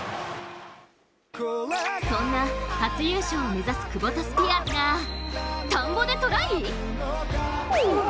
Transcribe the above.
そんな初優勝を目指すクボタスピアーズが田んぼでトライ！？